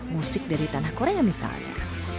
musik dari tanah korea misalnya